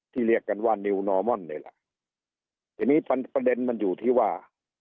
ที่เรียกกันว่านิวนอร์มอนด์เลยล่ะทีนี้ปัญหาประเด็นมันอยู่ที่ว่า